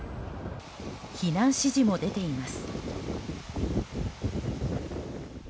避難指示も出ています。